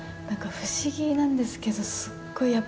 なんか不思議なんですけどすっごい